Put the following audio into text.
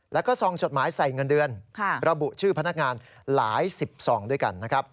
และส่องจดหมายใส่เงินเดือนระบุชื่อพนักงานหลาย๑๒ด้วยกัน